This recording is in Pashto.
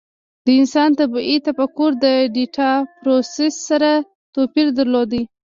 د انسان طبیعي تفکر د ډیټا پروسس سره توپیر درلود.